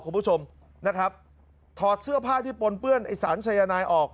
คุณผู้ชมนะครับถอดเสื้อผ้าที่ปนเปื้อนไอ้สารสายนายออก